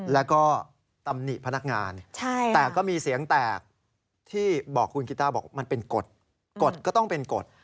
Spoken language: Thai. แล้วก็ตำหนิพนักงานแต่ก็มีเสียงแตกที่บอกคุณกิต้าบอกมันเป็นกฎกฎก็ต้องเป็นกฎ